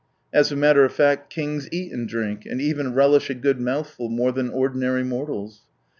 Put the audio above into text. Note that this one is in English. As a matter of fact, kings eat and drink, and even relish a good mouthful more than ordinary mortals.